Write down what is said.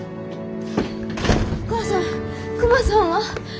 お母さんクマさんは？